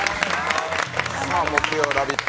木曜ラヴィット！